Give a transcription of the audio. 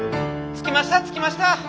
・着きました着きました。